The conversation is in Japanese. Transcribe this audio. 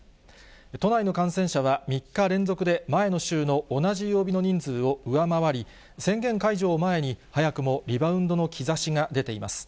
都内の感染者は３日連続で前の週の同じ曜日の人数を上回り、宣言解除を前に、早くもリバウンドの兆しが出ています。